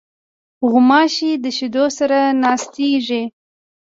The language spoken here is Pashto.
غوماشې د شیدو سره ناستېږي.